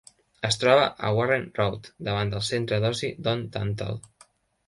Es troba a Warren Road, davant del centre d'oci Don Tantell.